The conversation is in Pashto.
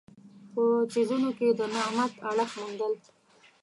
په څیزونو کې د نعمت اړخ موندل.